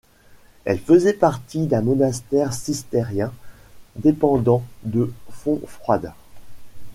Elle faisait partie d'un monastère cistercien dépendant de Fontfroide.